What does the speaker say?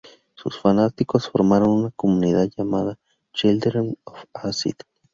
Sus fanáticos formaron una comunidad llamada "Children of Acid".